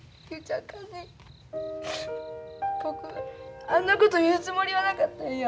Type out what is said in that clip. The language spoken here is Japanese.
僕あんなこと言うつもりはなかったんや。